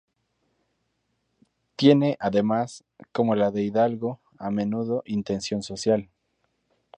Tiene, además, como la de Hidalgo, a menudo, intención social.